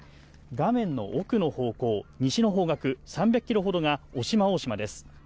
画面の奥の方向、西の方角、３００キロほどが渡島大島です。